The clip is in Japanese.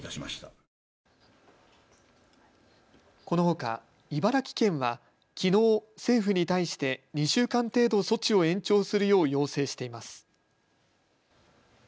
このほか茨城県はきのう政府に対して２週間程度措置を延長するよう要請しています。